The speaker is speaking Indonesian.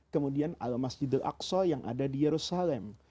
kemudian al masjidul aqsa yang ada di yerusalem